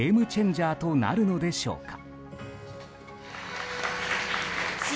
ジャーとなるのでしょうか。